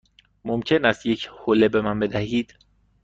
ممکن است یک حوله به من بدهید؟